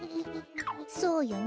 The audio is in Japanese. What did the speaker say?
そうよね。